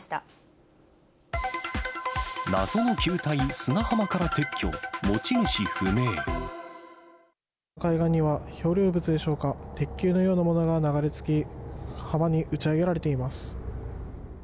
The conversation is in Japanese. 謎の球体砂浜から撤去、海岸には漂流物でしょうか、鉄球のようなものが流れ着き、浜に打ち上げられています。